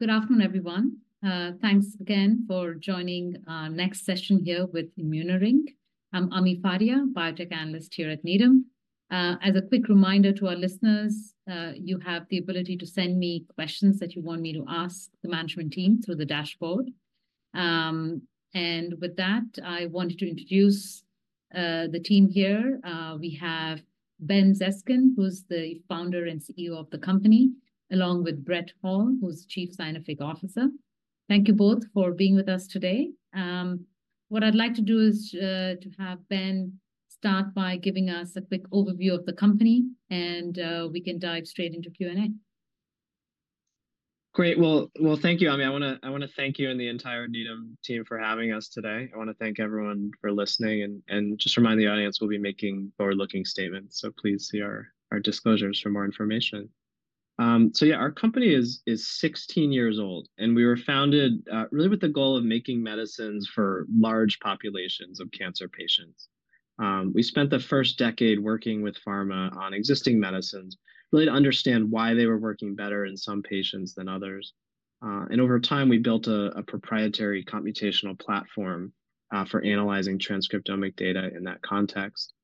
Good afternoon, everyone. Thanks again for joining, next session here with Immuneering. I'm Ami Fadia, biotech analyst here at Needham. As a quick reminder to our listeners, you have the ability to send me questions that you want me to ask the management team through the dashboard. And with that, I wanted to introduce the team here. We have Ben Zeskind, who's the founder and CEO of the company, along with Brett Hall, who's Chief Scientific Officer. Thank you both for being with us today. What I'd like to do is to have Ben start by giving us a quick overview of the company, and we can dive straight into Q&A. Great. Well, thank you, Ami. I want to thank you and the entire Needham team for having us today. I want to thank everyone for listening, and just remind the audience we'll be making forward-looking statements, so please see our disclosures for more information. So yeah, our company is 16 years old, and we were founded really with the goal of making medicines for large populations of cancer patients. We spent the first decade working with pharma on existing medicines, really to understand why they were working better in some patients than others. Over time, we built a proprietary computational platform for analyzing transcriptomic data in that context.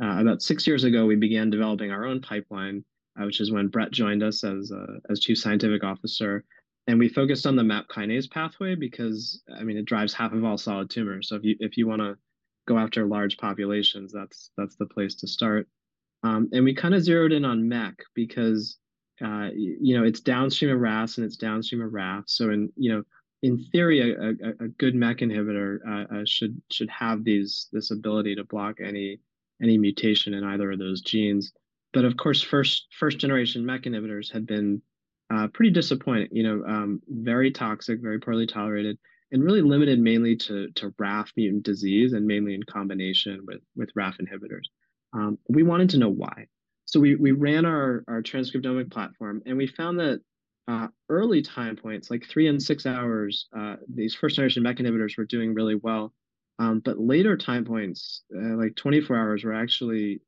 About 6 years ago, we began developing our own pipeline, which is when Brett joined us as Chief Scientific Officer, and we focused on the MAP kinase pathway because, I mean, it drives half of all solid tumors. So if you want to go after large populations, that's the place to start. And we kind of zeroed in on MEK because, you know, it's downstream of RAS, and it's downstream of RAF. So in, you know, in theory, a good MEK inhibitor should have this ability to block any mutation in either of those genes. But of course, first-generation MEK inhibitors had been pretty disappointing, you know, very toxic, very poorly tolerated, and really limited mainly to RAF mutant disease and mainly in combination with RAF inhibitors. We wanted to know why. So we ran our transcriptomic platform, and we found that early time points, like 3 and 6 hours, these first-generation MEK inhibitors were doing really well. But later time points, like 24 hours, were actually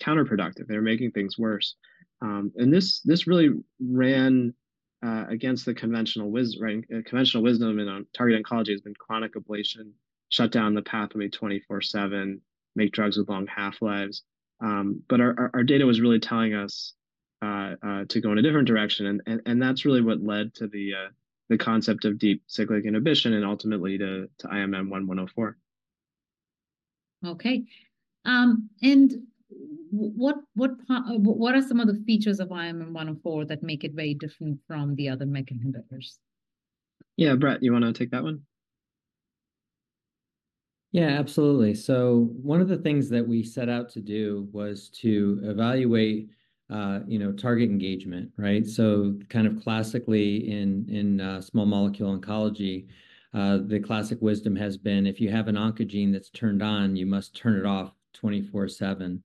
counterproductive. They were making things worse. And this really ran against the conventional wisdom, right? Conventional wisdom in targeted oncology has been chronic ablation, shut down the pathway 24/7, make drugs with long half-lives. But our data was really telling us to go in a different direction, and that's really what led to the concept of deep cyclic inhibition and ultimately to IMM-1-104. Okay. And what are some of the features of IMM-1-104 that make it very different from the other MEK inhibitors? Yeah, Brett, you want to take that one? Yeah, absolutely. So one of the things that we set out to do was to evaluate, you know, target engagement, right? So kind of classically in small molecule oncology, the classic wisdom has been if you have an oncogene that's turned on, you must turn it off 24/7.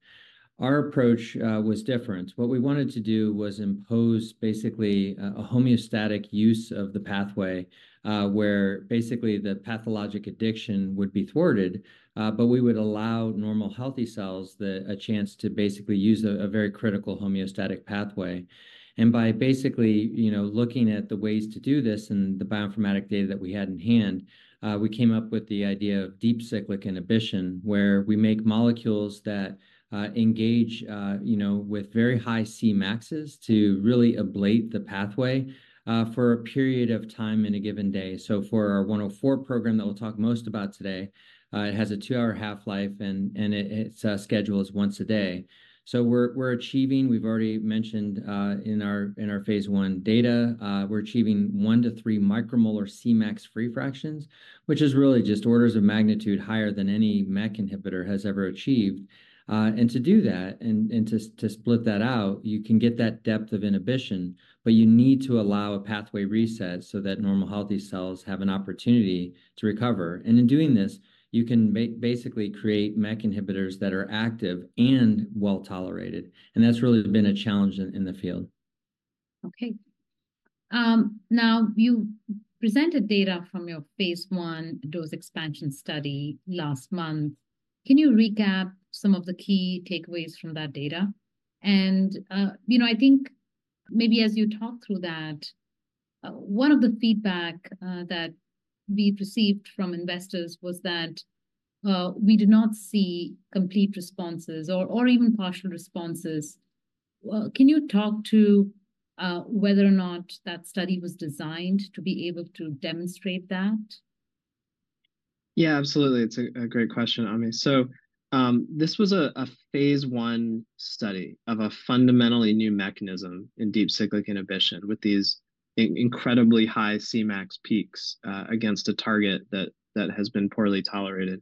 Our approach was different. What we wanted to do was impose basically a homeostatic use of the pathway, where basically the pathologic addiction would be thwarted, but we would allow normal healthy cells a chance to basically use a very critical homeostatic pathway. And by basically, you know, looking at the ways to do this and the bioinformatic data that we had in hand, we came up with the idea of deep cyclic inhibition where we make molecules that engage, you know, with very high Cmaxes to really ablate the pathway for a period of time in a given day. So for our 104 program that we'll talk most about today, it has a two-hour half-life, and it’s scheduled as once a day. So we're achieving—we've already mentioned, in our phase I data—we're achieving 1-3 micromolar Cmax free fractions, which is really just orders of magnitude higher than any MEK inhibitor has ever achieved. And to do that, and to split that out, you can get that depth of inhibition, but you need to allow a pathway reset so that normal healthy cells have an opportunity to recover. And in doing this, you can basically create MEK inhibitors that are active and well-tolerated. And that's really been a challenge in the field. Okay. Now you presented data from your phase I dose expansion study last month. Can you recap some of the key takeaways from that data? You know, I think maybe as you talk through that, one of the feedback that we received from investors was that we did not see complete responses or even partial responses. Can you talk to whether or not that study was designed to be able to demonstrate that? Yeah, absolutely. It's a great question, Ami. So, this was a phase I study of a fundamentally new mechanism in deep cyclic inhibition with these incredibly high Cmax peaks, against a target that has been poorly tolerated.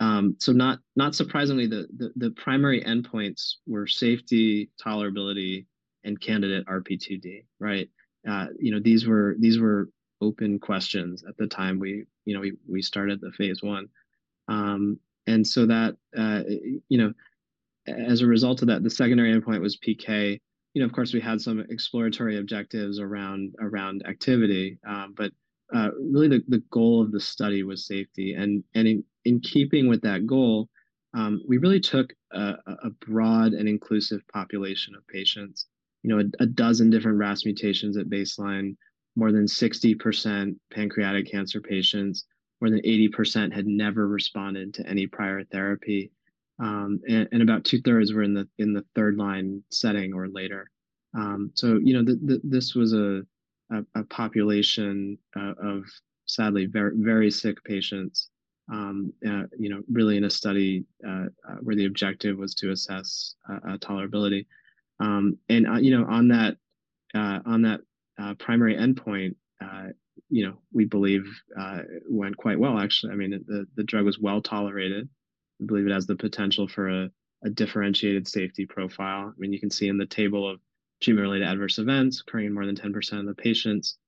So not surprisingly, the primary endpoints were safety, tolerability, and candidate RP2D, right? You know, these were open questions at the time we, you know, we started the phase I. And so that, you know, as a result of that, the secondary endpoint was PK. You know, of course, we had some exploratory objectives around activity, but really the goal of the study was safety. In keeping with that goal, we really took a broad and inclusive population of patients, you know, 12 different RAS mutations at baseline, more than 60% pancreatic cancer patients, more than 80% had never responded to any prior therapy, and about 2/3 were in the third-line setting or later. So, you know, this was a population of sadly very sick patients, you know, really in a study where the objective was to assess tolerability. And, you know, on that primary endpoint, you know, we believe it went quite well, actually. I mean, the drug was well-tolerated. We believe it has the potential for a differentiated safety profile. I mean, you can see in the table of tumor-related adverse events occurring in more than 10% of the patients,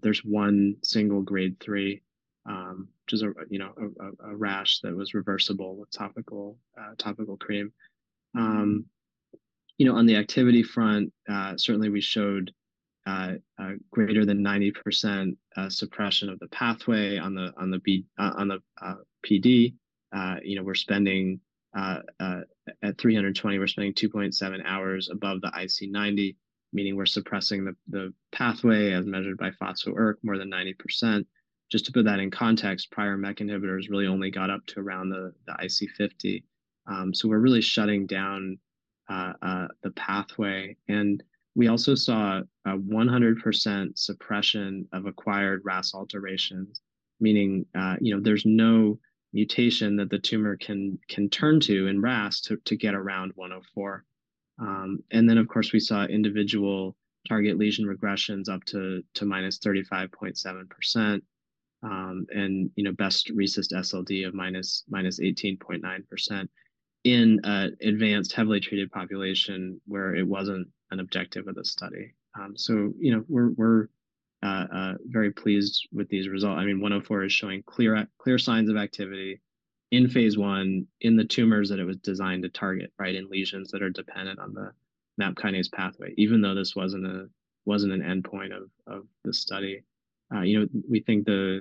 there's one single grade 3, which is, you know, a rash that was reversible with topical cream. You know, on the activity front, certainly we showed greater than 90% suppression of the pathway on the PD. You know, at 320, we're spending 2.7 hours above the IC90, meaning we're suppressing the pathway as measured by p-ERK more than 90%. Just to put that in context, prior MEK inhibitors really only got up to around the IC50. So we're really shutting down the pathway. And we also saw 100% suppression of acquired RAS alterations, meaning, you know, there's no mutation that the tumor can turn to in RAS to get around 104. And then, of course, we saw individual target lesion regressions up to -35.7%, and, you know, best RECIST SLD of -18.9% in an advanced, heavily treated population where it wasn't an objective of the study. So, you know, we're very pleased with these results. I mean, 104 is showing clear clear signs of activity in phase I in the tumors that it was designed to target, right, in lesions that are dependent on the MAP kinase pathway, even though this wasn't an endpoint of the study. You know, we think the,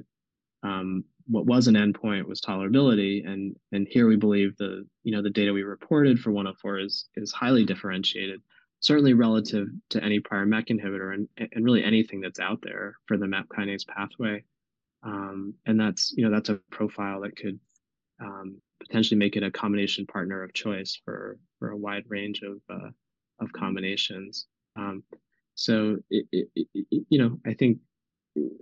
what was an endpoint was tolerability. And here we believe the, you know, the data we reported for 104 is highly differentiated, certainly relative to any prior MEK inhibitor and really anything that's out there for the MAP kinase pathway. That's, you know, that's a profile that could potentially make it a combination partner of choice for a wide range of combinations. So it, you know, I think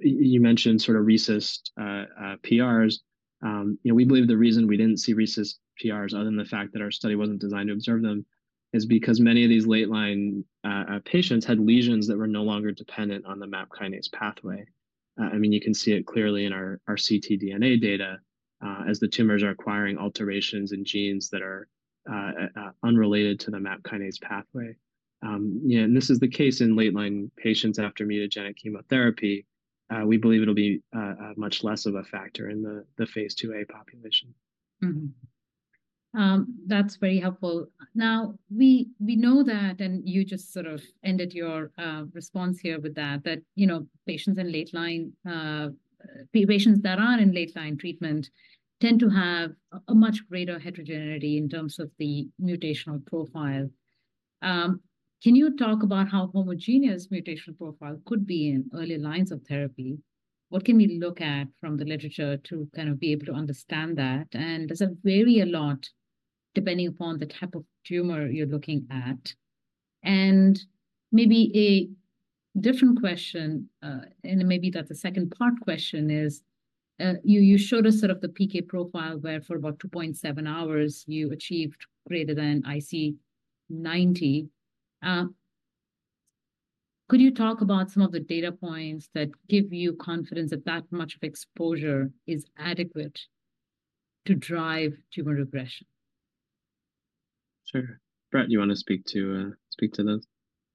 you mentioned sort of RECIST PRs. You know, we believe the reason we didn't see RECIST PRs other than the fact that our study wasn't designed to observe them is because many of these late-line patients had lesions that were no longer dependent on the MAP kinase pathway. I mean, you can see it clearly in our ctDNA data, as the tumors are acquiring alterations in genes that are unrelated to the MAP kinase pathway. You know, and this is the case in late-line patients after mutagenic chemotherapy. We believe it'll be much less of a factor in the phase II-A population. Mm-hmm. That's very helpful. Now, we know that—and you just sort of ended your response here with that—that, you know, patients in late-line, patients that are in late-line treatment tend to have a much greater heterogeneity in terms of the mutational profile. Can you talk about how homogeneous mutational profile could be in early lines of therapy? What can we look at from the literature to kind of be able to understand that? And does it vary a lot depending upon the type of tumor you're looking at? And maybe a different question, and maybe that's a second-part question, is, you showed us sort of the PK profile where for about 2.7 hours you achieved greater than IC90. Could you talk about some of the data points that give you confidence that that much of exposure is adequate to drive tumor regression? Sure. Brett, you want to speak to those?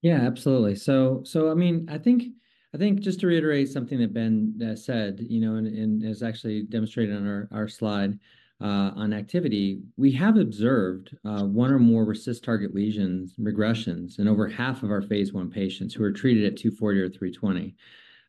Yeah, absolutely. So, I mean, I think just to reiterate something that Ben said, you know, and is actually demonstrated on our slide on activity, we have observed one or more RECIST target lesions regressions in over half of our phase I patients who are treated at 240 or 320.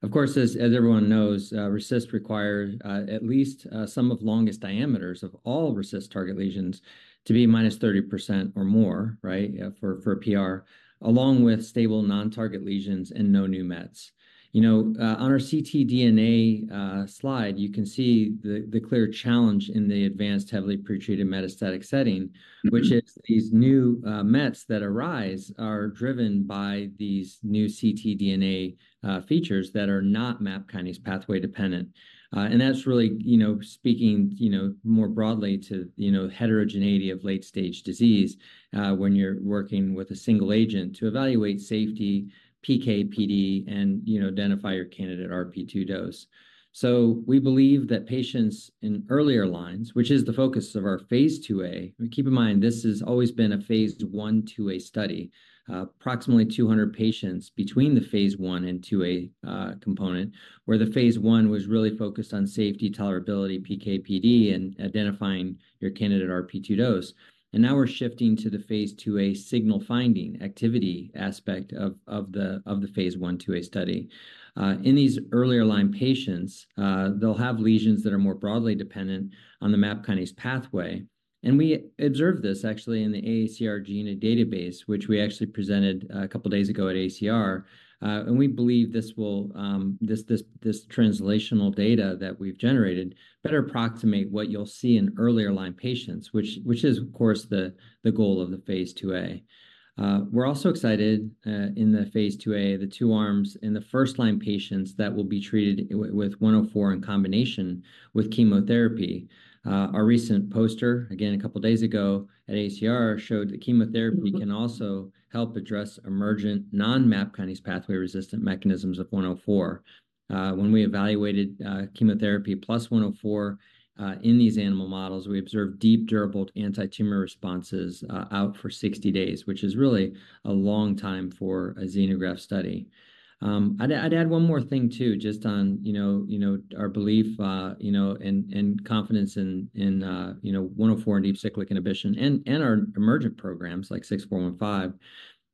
Of course, as everyone knows, RECIST require at least some of the longest diameters of all RECIST target lesions to be -30% or more, right, for a PR, along with stable non-target lesions and no new mets. You know, on our ctDNA slide, you can see the clear challenge in the advanced, heavily pretreated metastatic setting, which is these new mets that arise are driven by these new ctDNA features that are not MAP kinase pathway dependent. and that's really, you know, speaking, you know, more broadly to, you know, heterogeneity of late-stage disease, when you're working with a single agent to evaluate safety, PK, PD, and, you know, identify your candidate RP2D. So we believe that patients in earlier lines, which is the focus of phase II-A, keep in mind, this has always been a phase I 2a study, approximately 200 patients between the phase I and II-A component, where the phase I was really focused on safety, tolerability, PK, PD, and identifying your candidate RP2D. And now we're shifting to the phase II-A signal finding activity aspect of the phase I/II-A study. In these earlier line patients, they'll have lesions that are more broadly dependent on the MAP kinase pathway. We observed this, actually, in the AACR gene database, which we actually presented a couple of days ago at AACR. We believe this translational data that we've generated will better approximate what you'll see in earlier line patients, which is, of course, the goal of the phase II-A. We're also excited, in the phase II-A, the two arms in the first line patients that will be treated with 104 in combination with chemotherapy. Our recent poster, again, a couple of days ago at AACR, showed that chemotherapy can also help address emergent non-MAP kinase pathway resistant mechanisms of 104. When we evaluated chemotherapy plus 104 in these animal models, we observed deep, durable anti-tumor responses out for 60 days, which is really a long time for a xenograft study. I'd add one more thing too, just on, you know, our belief, you know, and confidence in, you know, 104 and deep cyclic inhibition and our emergent programs like 6415.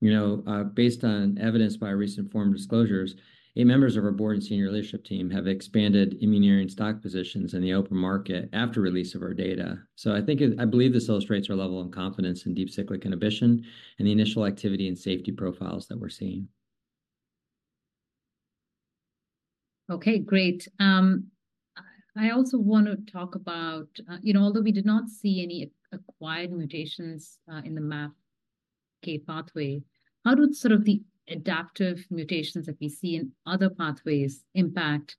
You know, based on evidence by recent Form 4 disclosures, eight members of our board and senior leadership team have expanded Immuneering stock positions in the open market after release of our data. So I think I believe this illustrates our level of confidence in deep cyclic inhibition and the initial activity and safety profiles that we're seeing. Okay, great. I also want to talk about, you know, although we did not see any acquired mutations, in the MAPK pathway, how do sort of the adaptive mutations that we see in other pathways impact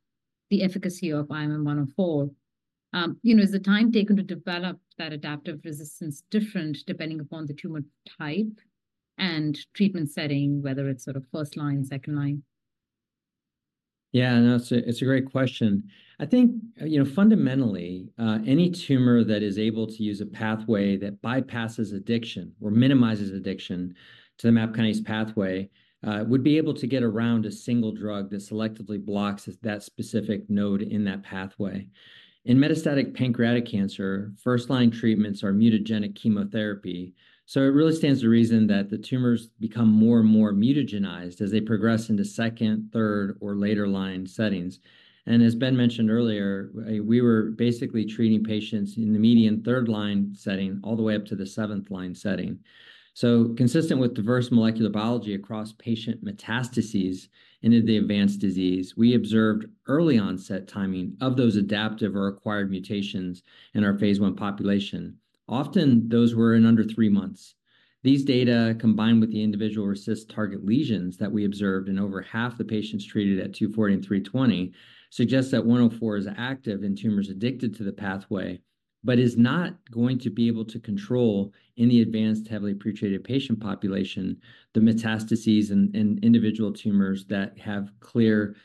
the efficacy of IMM-1-104? You know, is the time taken to develop that adaptive resistance different depending upon the tumor type and treatment setting, whether it's sort of first line, second line? Yeah, no, it's a great question. I think, you know, fundamentally, any tumor that is able to use a pathway that bypasses addiction or minimizes addiction to the MAP kinase pathway, would be able to get around a single drug that selectively blocks that specific node in that pathway. In metastatic pancreatic cancer, first-line treatments are mutagenic chemotherapy. So it really stands to reason that the tumors become more and more mutagenized as they progress into second, third, or later line settings. And as Ben mentioned earlier, we were basically treating patients in the median third line setting all the way up to the seventh line setting. So consistent with diverse molecular biology across patient metastases into the advanced disease, we observed early onset timing of those adaptive or acquired mutations in our phase I population. Often, those were in under three months. These data, combined with the individual RECIST target lesions that we observed in over half the patients treated at 240 and 320, suggest that 104 is active in tumors addicted to the pathway, but is not going to be able to control in the advanced, heavily pretreated patient population the metastases and individual tumors that have clear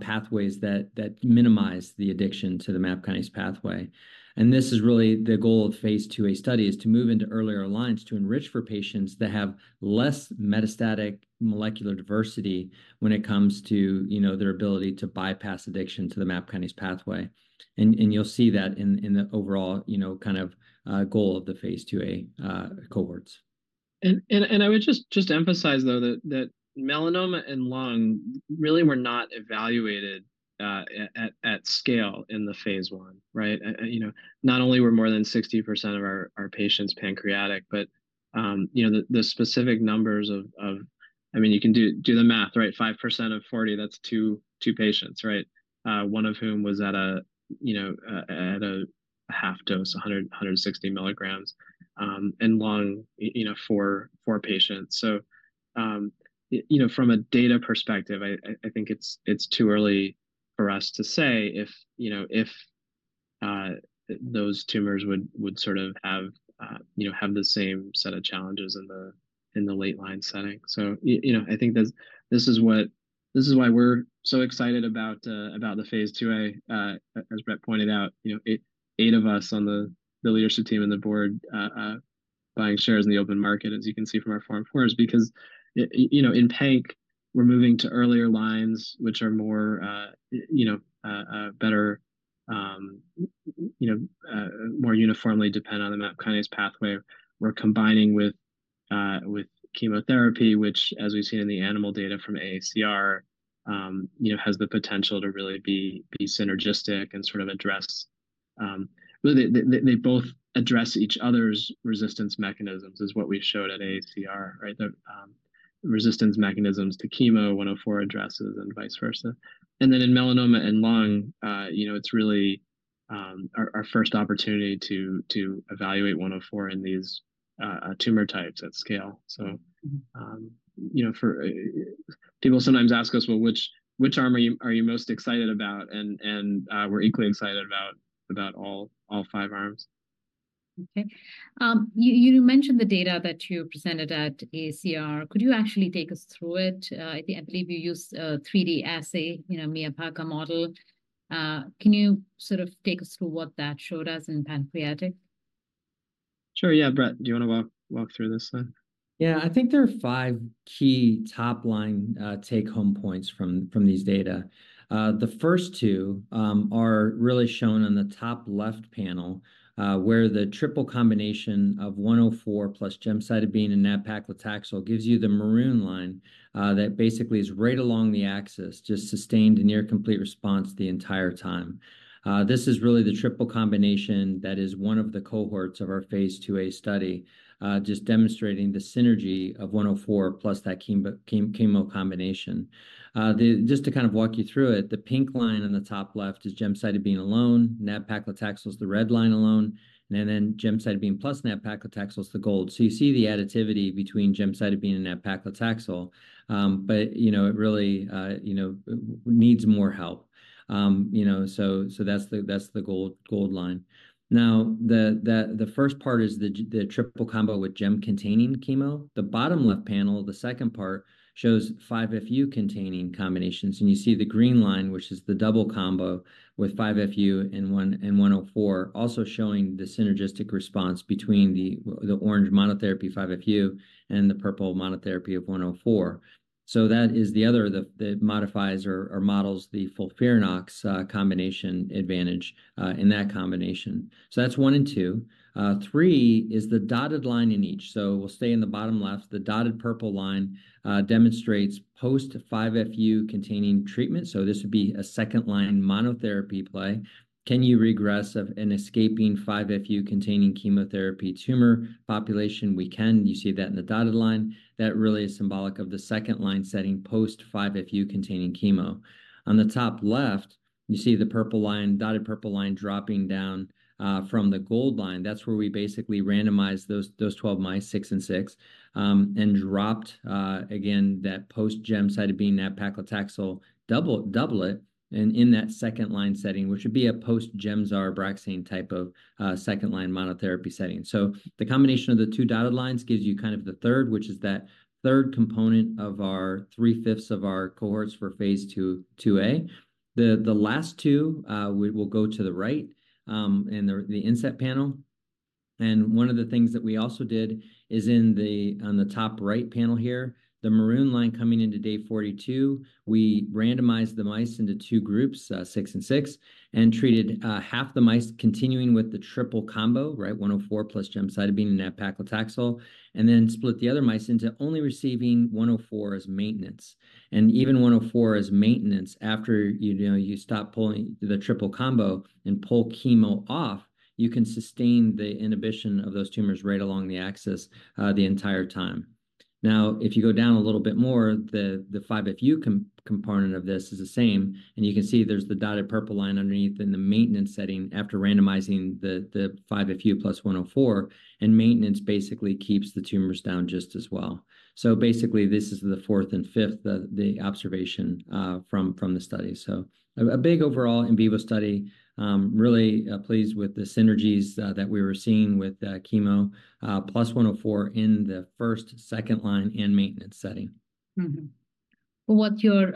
pathways that minimize the addiction to the MAP kinase pathway. And this is really the goal of phase II-A study, is to move into earlier lines to enrich for patients that have less metastatic molecular diversity when it comes to, you know, their ability to bypass addiction to the MAP kinase pathway. And you'll see that in the overall, you know, kind of goal of the phase II-A cohorts. I would just emphasize, though, that melanoma and lung really were not evaluated at scale in the phase I, right? You know, not only were more than 60% of our patients pancreatic, but, you know, the specific numbers—I mean, you can do the math, right? 5% of 40, that's two patients, right? One of whom was at a, you know, at a half dose, 100, 160 mg. And lung, you know, four patients. So, you know, from a data perspective, I think it's too early for us to say if, you know, if those tumors would sort of have, you know, have the same set of challenges in the late line setting. So, you know, I think that this is why we're so excited about the phase II-A. As Brett pointed out, you know, eight of us on the leadership team and the board, buying shares in the open market, as you can see from our Form 4, is because, you know, in panc, we're moving to earlier lines, which are more, you know, better, you know, more uniformly depend on the MAP kinase pathway. We're combining with chemotherapy, which, as we've seen in the animal data from AACR, you know, has the potential to really be synergistic and sort of address. Really, they both address each other's resistance mechanisms, is what we showed at AACR, right? The resistance mechanisms to chemo, 104 addresses and vice versa. And then in melanoma and lung, you know, it's really our first opportunity to evaluate 104 in these tumor types at scale. So, you know, people sometimes ask us, well, which arm are you most excited about? And, we're equally excited about all five arms. Okay. You mentioned the data that you presented at AACR. Could you actually take us through it? I believe you used 3D assay, you know, MIA PaCa-2 model. Can you sort of take us through what that showed us in pancreatic? Sure. Yeah, Brett, do you want to walk through this slide? Yeah, I think there are five key top line, take-home points from these data. The first two are really shown on the top left panel, where the triple combination of 104 plus gemcitabine and nab-paclitaxel gives you the maroon line, that basically is right along the axis, just sustained near complete response the entire time. This is really the triple combination that is one of the cohorts of our phase II-A study, just demonstrating the synergy of 104 plus that chemo combination. The just to kind of walk you through it, the pink line on the top left is gemcitabine alone, nab-paclitaxel is the red line alone, and then gemcitabine plus nab-paclitaxel is the gold. So you see the additivity between gemcitabine and nab-paclitaxel. But, you know, it really, you know, needs more help. You know, so that's the gold line. Now, the first part is the triple combo with gem-containing chemo. The bottom left panel, the second part, shows 5-FU-containing combinations. And you see the green line, which is the double combo with 5-FU and IMM-1-104, also showing the synergistic response between the orange monotherapy 5-FU and the purple monotherapy of IMM-1-104. So that is the other that modifies or models the FOLFIRINOX combination advantage in that combination. So that's one and two. Three is the dotted line in each. So we'll stay in the bottom left. The dotted purple line demonstrates post 5-FU-containing treatment. So this would be a second line monotherapy play. Can you regress an escaping 5-FU-containing chemotherapy tumor population? We can. You see that in the dotted line. That really is symbolic of the second line setting post 5-FU-containing chemo. On the top left, you see the purple line, dotted purple line dropping down from the gold line. That's where we basically randomized those 12 mice, six and six, and dropped, again, that post gemcitabine, nab-paclitaxel doublet in that second line setting, which would be a post Gemzar Abraxane type of second line monotherapy setting. So the combination of the two dotted lines gives you kind of the third, which is that third component of our three fifths of our cohorts for phase II-II-A. The last two, we'll go to the right, in the inset panel. And one of the things that we also did is, on the top right panel here, the maroon line coming into day 42, we randomized the mice into two groups, six and six, and treated half the mice continuing with the triple combo, right? 104 plus gemcitabine and nab-paclitaxel, and then split the other mice into only receiving 104 as maintenance. And even 104 as maintenance, after you, you know, stop pulling the triple combo and pull chemo off, you can sustain the inhibition of those tumors right along the axis, the entire time. Now, if you go down a little bit more, the 5-FU component of this is the same. And you can see there's the dotted purple line underneath in the maintenance setting after randomizing the 5-FU plus 104. And maintenance basically keeps the tumors down just as well. So basically, this is the 4th and 5th observation from the study. So a big overall in vivo study, really, pleased with the synergies that we were seeing with chemo plus 104 in the first, second line and maintenance setting. Well, what your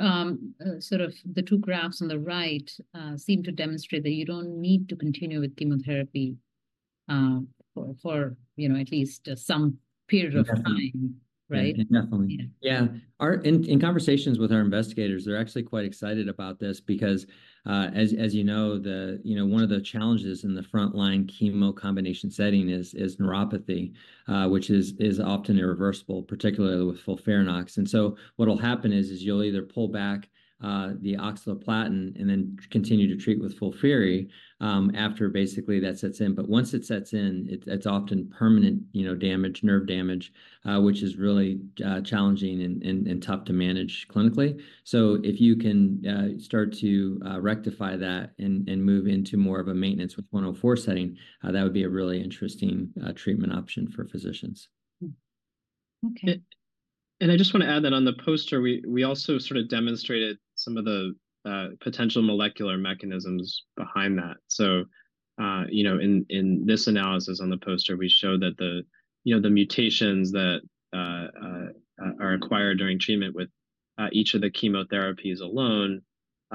sort of the two graphs on the right seem to demonstrate that you don't need to continue with chemotherapy for, you know, at least some period of time, right? Definitely. Yeah. Our in conversations with our investigators, they're actually quite excited about this because, as you know, the, you know, one of the challenges in the front line chemo combination setting is neuropathy, which is often irreversible, particularly with FOLFIRINOX. And so what'll happen is you'll either pull back, the oxaliplatin and then continue to treat with FOLFIRI, after basically that sets in. But once it sets in, it's often permanent, you know, damage, nerve damage, which is really challenging and tough to manage clinically. So if you can start to rectify that and move into more of a maintenance with 104 setting, that would be a really interesting treatment option for physicians. Okay. I just want to add that on the poster, we also sort of demonstrated some of the potential molecular mechanisms behind that. So, you know, in this analysis on the poster, we showed that the, you know, the mutations that are acquired during treatment with each of the chemotherapies alone,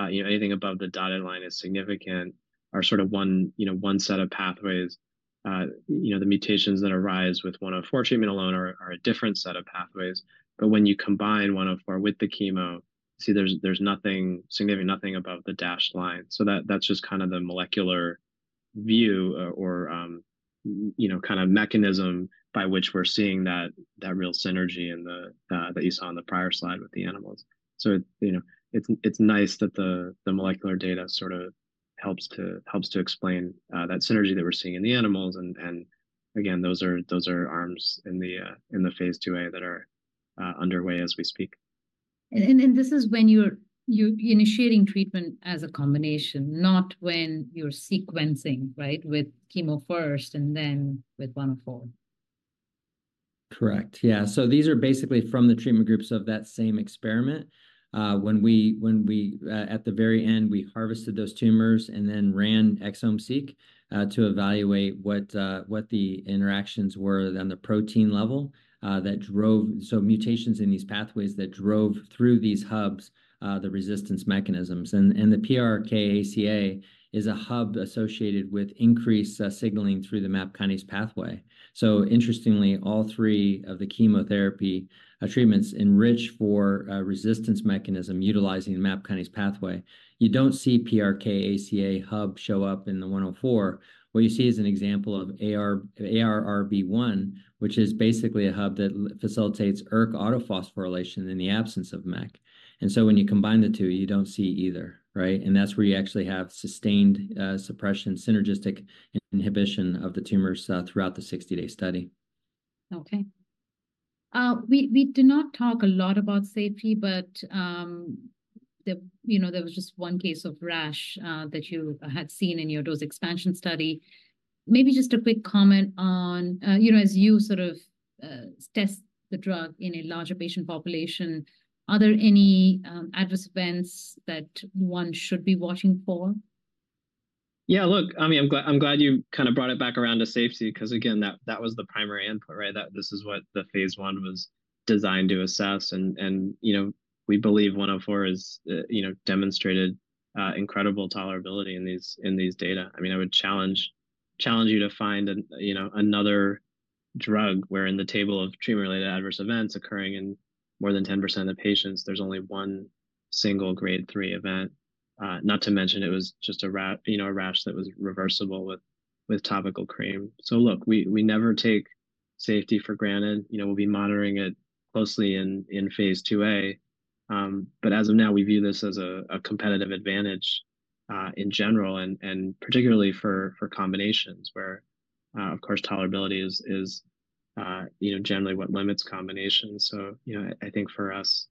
you know, anything above the dotted line is significant, are sort of one set of pathways. You know, the mutations that arise with 104 treatment alone are a different set of pathways. But when you combine 104 with the chemo, you see there's nothing significant, nothing above the dashed line. So that's just kind of the molecular view or, you know, kind of mechanism by which we're seeing that real synergy in the that you saw on the prior slide with the animals. So it, you know, it's nice that the molecular data sort of helps to explain that synergy that we're seeing in the animals. And again, those are arms in the phase II-A that are underway as we speak. This is when you're initiating treatment as a combination, not when you're sequencing, right, with chemo first and then with 104. Correct. Yeah. So these are basically from the treatment groups of that same experiment. When we, at the very end, we harvested those tumors and then ran ExomeSeq, to evaluate what the interactions were on the protein level, that drove so mutations in these pathways that drove through these hubs, the resistance mechanisms. And the PRKACA is a hub associated with increased signaling through the MAP kinase pathway. So interestingly, all three of the chemotherapy treatments enrich for a resistance mechanism utilizing the MAP kinase pathway. You don't see PRKACA hub show up in the 104. What you see is an example of ARRB1, which is basically a hub that facilitates ERK autophosphorylation in the absence of MAPK. And so when you combine the two, you don't see either, right? That's where you actually have sustained suppression, synergistic inhibition of the tumors throughout the 60-day study. Okay. We did not talk a lot about safety, but the, you know, there was just one case of rash that you had seen in your dose expansion study. Maybe just a quick comment on, you know, as you sort of test the drug in a larger patient population, are there any adverse events that one should be watching for? Yeah, look, I mean, I'm glad I'm glad you kind of brought it back around to safety because again, that that was the primary input, right? That this is what the phase I was designed to assess. And you know, we believe 104 is, you know, demonstrated incredible tolerability in these in these data. I mean, I would challenge challenge you to find an, you know, another drug where in the table of treatment-related adverse events occurring in more than 10% of the patients, there's only one single grade three event, not to mention it was just a rash, you know, a rash that was reversible with with topical cream. So look, we we never take safety for granted. You know, we'll be monitoring it closely in in phase II-A. But as of now, we view this as a competitive advantage, in general and particularly for combinations where, of course, tolerability is, you know, generally what limits combinations. So, you know, I think for us,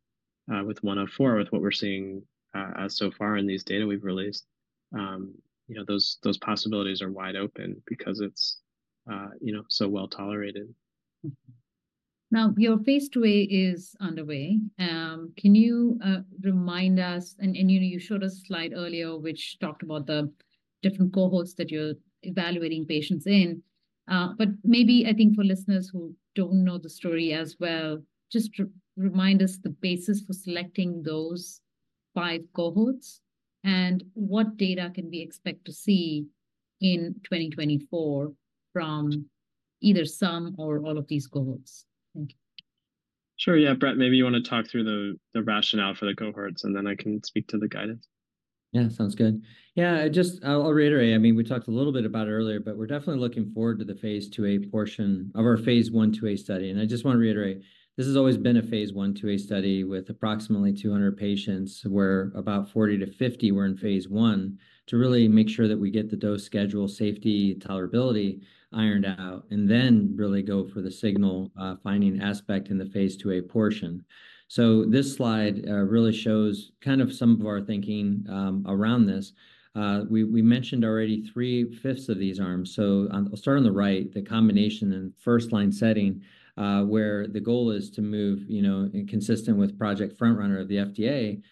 with 104, with what we're seeing, so far in these data we've released, you know, those possibilities are wide open because it's, you know, so well tolerated. Now, your phase II-A is underway. Can you remind us, and you know, you showed us a slide earlier which talked about the different cohorts that you're evaluating patients in. But maybe I think for listeners who don't know the story as well, just remind us the basis for selecting those five cohorts and what data can we expect to see in 2024 from either some or all of these cohorts. Thank you. Sure. Yeah, Brett, maybe you want to talk through the rationale for the cohorts and then I can speak to the guidance. Yeah, sounds good. Yeah, I just—I'll reiterate. I mean, we talked a little bit about it earlier, but we're definitely looking forward to the phase II-A portion of our phase I/II-A study. And I just want to reiterate, this has always been a phase I/II-A study with approximately 200 patients where about 40-50 were in phase I to really make sure that we get the dose schedule, safety, tolerability ironed out, and then really go for the signal finding aspect in the phase II-A portion. So this slide really shows kind of some of our thinking around this. We mentioned already 3/5 of these arms. So I'll start on the right, the combination and first line setting, where the goal is to move, you know, consistent with Project Frontrunner of the FDA,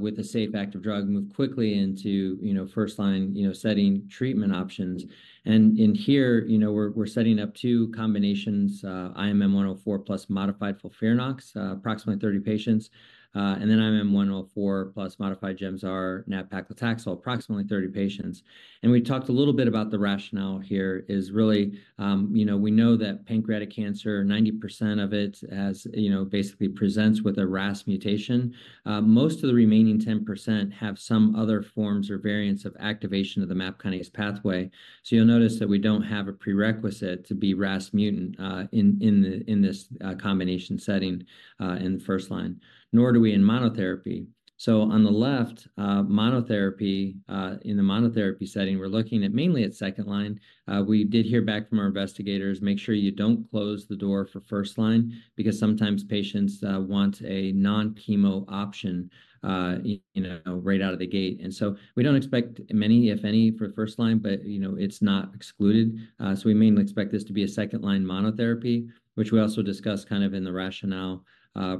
with a safe active drug, move quickly into, you know, first line, you know, setting treatment options. And in here, you know, we're setting up two combinations, IMM-1-104 plus modified FOLFIRINOX, approximately 30 patients. And then IMM1-1104 plus modified Gemzar, nab-paclitaxel, approximately 30 patients. And we talked a little bit about the rationale here is really, you know, we know that pancreatic cancer, 90% of it has, you know, basically presents with a RAS mutation. Most of the remaining 10% have some other forms or variants of activation of the MAP kinase pathway. So you'll notice that we don't have a prerequisite to be RAS mutant in the in this combination setting in the first line. Nor do we in monotherapy. So on the left, monotherapy, in the monotherapy setting, we're looking at mainly at second line. We did hear back from our investigators, make sure you don't close the door for first line because sometimes patients want a non-chemo option, you know, right out of the gate. And so we don't expect many, if any, for the first line, but you know, it's not excluded. So we mainly expect this to be a second line monotherapy, which we also discussed kind of in the rationale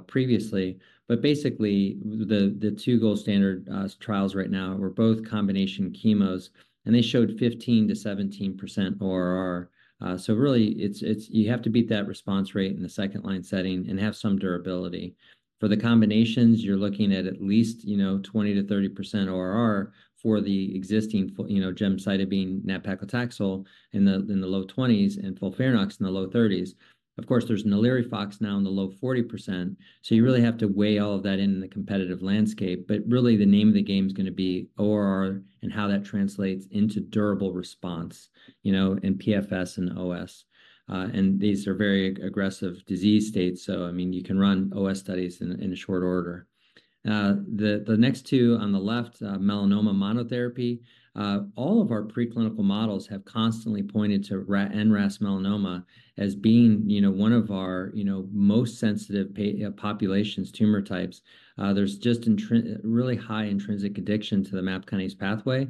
previously. But basically, the two gold standard trials right now were both combination chemos, and they showed 15%-17% ORR. So really, it's you have to beat that response rate in the second line setting and have some durability. For the combinations, you're looking at at least, you know, 20%-30% ORR for the existing, you know, gemcitabine, nab-paclitaxel in the in the low 20s% and FOLFIRINOX in the low 30s%. Of course, there's NALIRIFOX now in the low 40%. So you really have to weigh all of that in in the competitive landscape. But really, the name of the game is going to be ORR and how that translates into durable response, you know, in PFS and OS. And these are very aggressive disease states. So, I mean, you can run OS studies in a short order. The next two on the left, melanoma monotherapy, all of our preclinical models have constantly pointed to NRAS melanoma as being, you know, one of our, you know, most sensitive populations, tumor types. There's just really high intrinsic addiction to the MAP kinase pathway.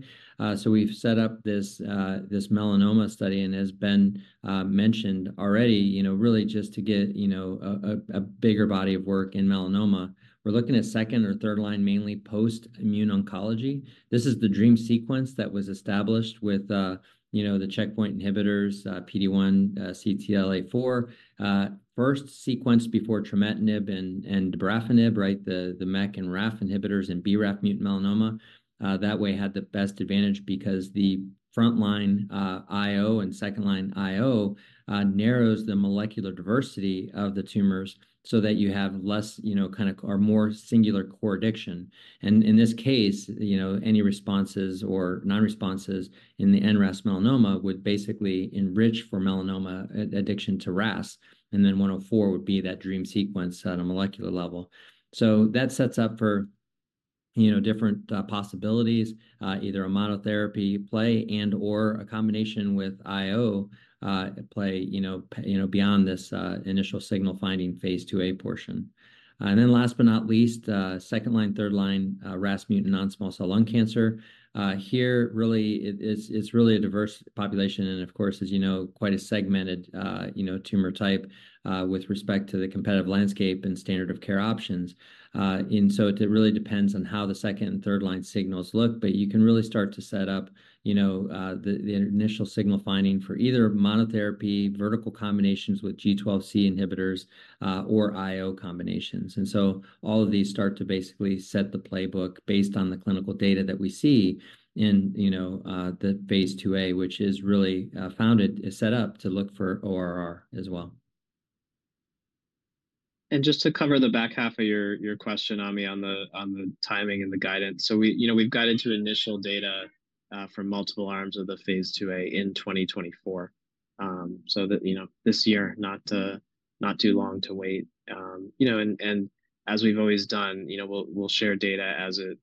So we've set up this melanoma study and has been mentioned already, you know, really just to get, you know, a bigger body of work in melanoma. We're looking at second or third line, mainly post-immune oncology. This is the dream sequence that was established with, you know, the checkpoint inhibitors, PD1, CTLA4. First sequence before trametinib and dabrafenib, right? The MEK and RAF inhibitors and BRAF mutant melanoma. That way had the best advantage because the front line IO and second line IO narrows the molecular diversity of the tumors so that you have less, you know, kind of or more singular core addiction. And in this case, you know, any responses or non-responses in the NRAS melanoma would basically enrich for melanoma addiction to RAS. And then 104 would be that dream sequence at a molecular level. So that sets up for, you know, different possibilities, either a monotherapy play and or a combination with IO play, you know, you know, beyond this initial signal finding phase II-A portion. And then last but not least, second line, third line, RAS mutant non-small cell lung cancer. Here really it is it's really a diverse population and of course, as you know, quite a segmented, you know, tumor type with respect to the competitive landscape and standard of care options. And so it really depends on how the second and third line signals look, but you can really start to set up, you know, the initial signal finding for either monotherapy, vertical combinations with G12C inhibitors, or IO combinations. All of these start to basically set the playbook based on the clinical data that we see in, you know, the phase II-A, which is really founded, is set up to look for ORR as well. And just to cover the back half of your question, Ami, on the timing and the guidance. So we, you know, we've got initial data from multiple arms of the phase II-A in 2024. So that, you know, this year, not too long to wait. You know, and as we've always done, you know, we'll share data as it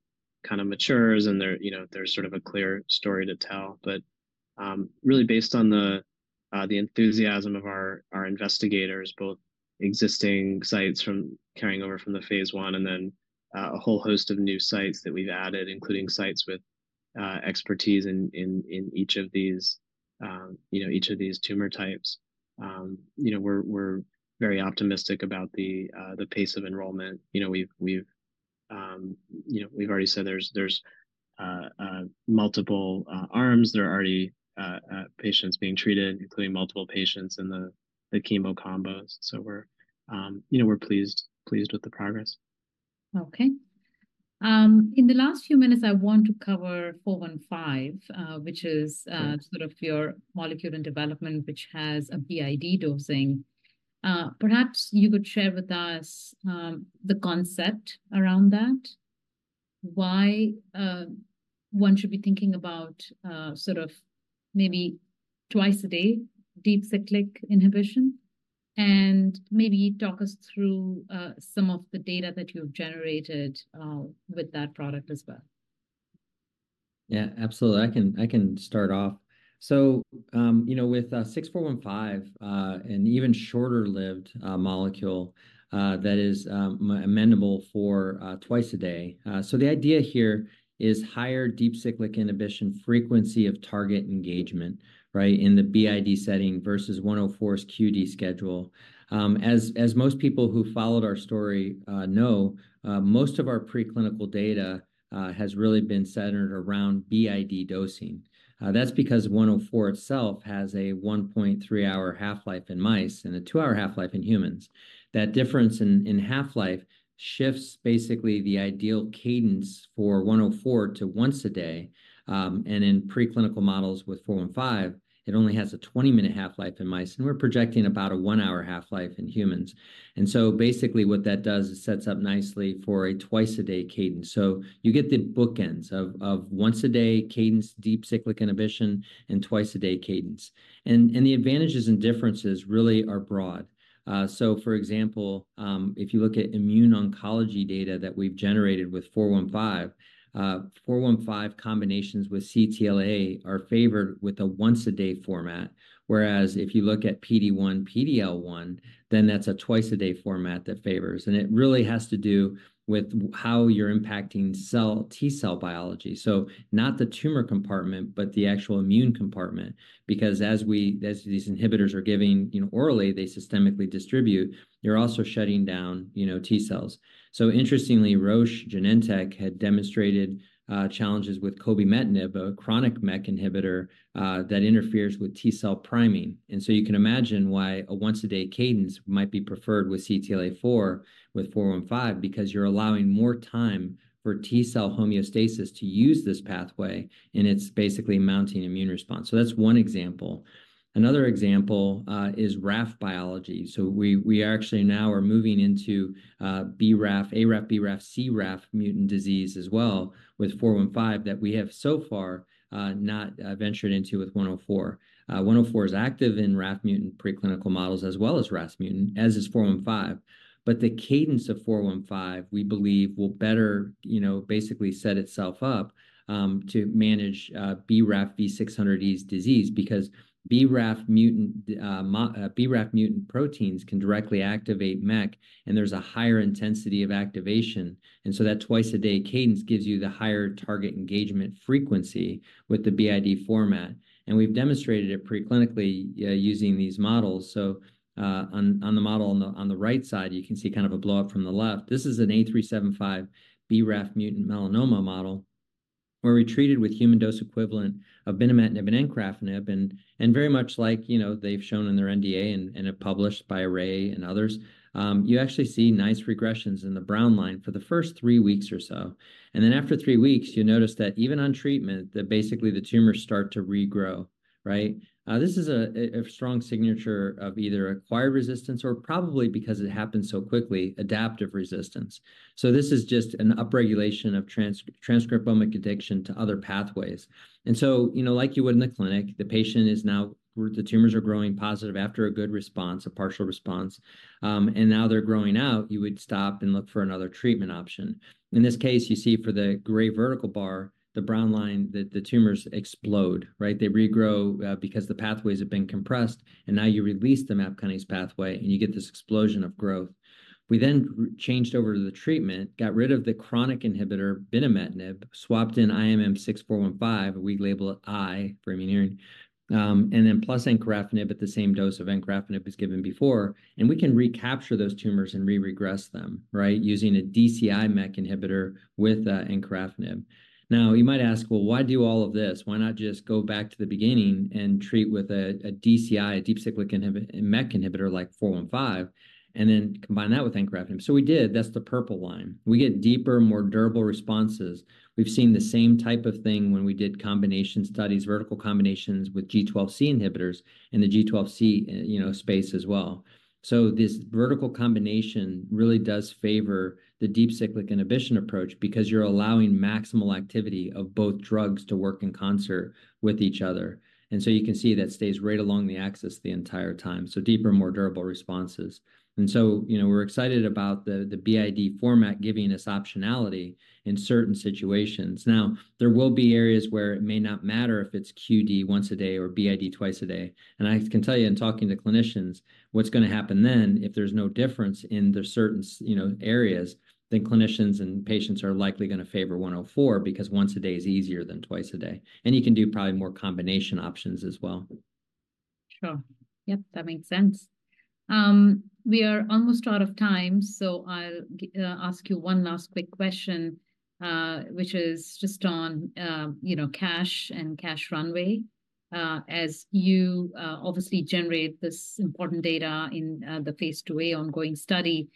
kind of matures and there, you know, there's sort of a clear story to tell. But really based on the enthusiasm of our investigators, both existing sites from carrying over from the phase I and then a whole host of new sites that we've added, including sites with expertise in each of these, you know, each of these tumor types. You know, we're very optimistic about the pace of enrollment. You know, we've you know, we've already said there's multiple arms. There are already patients being treated, including multiple patients in the chemo combos. So we're, you know, we're pleased with the progress. Okay. In the last few minutes, I want to cover 415, which is sort of your molecule and development, which has a BID dosing. Perhaps you could share with us the concept around that. Why one should be thinking about sort of maybe twice a day deep cyclic inhibition and maybe talk us through some of the data that you've generated with that product as well. Yeah, absolutely. I can start off. So, you know, with 6415, an even shorter-lived molecule that is amenable for twice a day. So the idea here is higher Deep Cyclic Inhibition frequency of target engagement, right, in the BID setting versus 104's QD schedule. As most people who followed our story know, most of our preclinical data has really been centered around BID dosing. That's because 104 itself has a 1.3-hour half-life in mice and a 2-hour half-life in humans. That difference in half-life shifts basically the ideal cadence for 104 to once a day. And in preclinical models with 415, it only has a 20-minute half-life in mice and we're projecting about a 1-hour half-life in humans. And so basically what that does is sets up nicely for a twice-a-day cadence. So you get the bookends of once-a-day cadence, deep cyclic inhibition, and twice-a-day cadence. And the advantages and differences really are broad. So for example, if you look at immuno-oncology data that we've generated with 415, 415 combinations with CTLA are favored with a once-a-day format. Whereas if you look at PD1, PDL1, then that's a twice-a-day format that favors. And it really has to do with how you're impacting T cell biology. So not the tumor compartment, but the actual immune compartment. Because as these inhibitors are giving, you know, orally, they systemically distribute, they're also shutting down, you know, T cells. So interestingly, Roche Genentech had demonstrated challenges with cobimetinib, a chronic MEK inhibitor that interferes with T cell priming. So you can imagine why a once-a-day cadence might be preferred with CTLA4 with 415 because you're allowing more time for T cell homeostasis to use this pathway and it's basically mounting immune response. So that's one example. Another example is RAF biology. So we actually now are moving into BRAF, ARAF, BRAF, CRAF mutant disease as well with 415 that we have so far not ventured into with 104. 104 is active in RAF mutant preclinical models as well as RAS mutant, as is 415. But the cadence of 415, we believe, will better, you know, basically set itself up to manage BRAF V600E's disease because BRAF mutant proteins can directly activate MEK and there's a higher intensity of activation. And so that twice-a-day cadence gives you the higher target engagement frequency with the BID format. And we've demonstrated it preclinically using these models. So on the model on the right side, you can see kind of a blowup from the left. This is an A375 BRAF mutant melanoma model. Where we treated with human dose equivalent of binimetinib and encorafenib and very much like, you know, they've shown in their NDA and have published by Ray and others. You actually see nice regressions in the brown line for the first three weeks or so. And then after three weeks, you notice that even on treatment, that basically the tumors start to regrow, right? This is a strong signature of either acquired resistance or probably because it happened so quickly, adaptive resistance. So this is just an upregulation of transcriptomic addiction to other pathways. And so, you know, like you would in the clinic, the patient is now, the tumors are growing positive after a good response, a partial response. And now they're growing out, you would stop and look for another treatment option. In this case, you see for the gray vertical bar, the brown line, that the tumors explode, right? They regrow because the pathways have been compressed and now you release the MAP kinase pathway and you get this explosion of growth. We then changed over to the treatment, got rid of the chronic inhibitor binimetinib, swapped in IMM-6-415, we label it I for Immuneering. And then plus encorafenib at the same dose of encorafenib was given before. And we can recapture those tumors and re-regress them, right? Using a DCI MEK inhibitor with encorafenib. Now you might ask, well, why do all of this? Why not just go back to the beginning and treat with a DCI, a deep cyclic MEK inhibitor like 415? And then combine that with encorafenib. So we did. That's the purple line. We get deeper, more durable responses. We've seen the same type of thing when we did combination studies, vertical combinations with G12C inhibitors in the G12C, you know, space as well. So this vertical combination really does favor the deep cyclic inhibition approach because you're allowing maximal activity of both drugs to work in concert with each other. And so you can see that stays right along the axis the entire time. So deeper, more durable responses. And so, you know, we're excited about the BID format giving us optionality in certain situations. Now, there will be areas where it may not matter if it's QD once a day or BID twice a day. I can tell you in talking to clinicians, what's going to happen then if there's no difference in the certain, you know, areas, then clinicians and patients are likely going to favor 104 because once a day is easier than twice a day. You can do probably more combination options as well. Sure. Yep, that makes sense. We are almost out of time, so I'll ask you one last quick question, which is just on, you know, cash and cash runway. As you obviously generate this important data in the phase II-A ongoing study,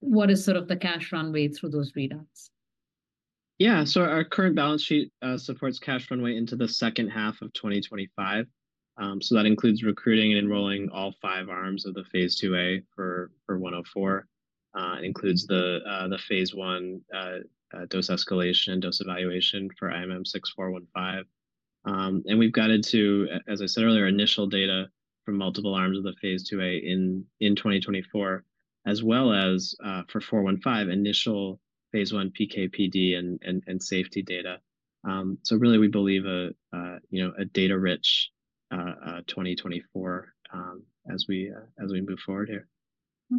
what is sort of the cash runway through those readouts? Yeah, so our current balance sheet supports cash runway into the second half of 2025. So that includes recruiting and enrolling all five arms of the phase II-A for 104. It includes the phase I dose escalation and dose evaluation for IMM-6-415. And we've gotten to, as I said earlier, initial data from multiple arms of the phase II-A in 2024, as well as for 415, initial phase I PKPD and safety data. So really we believe a, you know, a data-rich 2024 as we as we move forward here.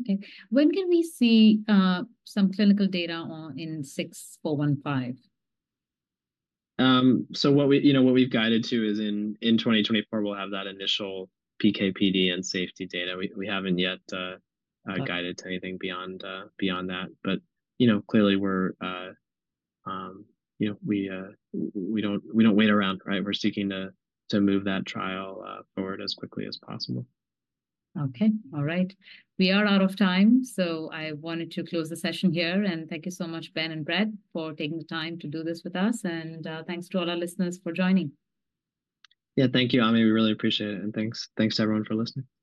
Okay. When can we see some clinical data in 6-415? So what we, you know, what we've guided to is in 2024, we'll have that initial PKPD and safety data. We haven't yet guided to anything beyond that. But, you know, clearly we're, you know, we don't wait around, right? We're seeking to move that trial forward as quickly as possible. Okay. All right. We are out of time, so I wanted to close the session here. Thank you so much, Ben and Brett, for taking the time to do this with us. Thanks to all our listeners for joining. Yeah, thank you, Ami. We really appreciate it. And thanks. Thanks to everyone for listening. Okay.